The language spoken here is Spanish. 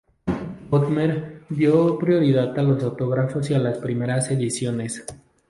Bodmer dio prioridad a los autógrafos y a las primeras ediciones.